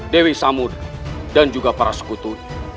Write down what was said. dewi samud dan juga para sekutu